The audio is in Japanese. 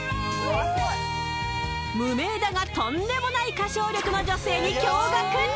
無名だがとんでもない歌唱力の女性に驚がく。